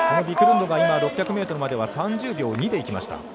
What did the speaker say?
ビクルンドがこの１周６００ｍまでは３０秒２でいきました。